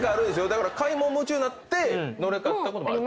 だから買い物夢中になって乗れなかったこともある。